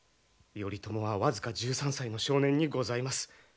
頼朝は僅か１３歳の少年にございます。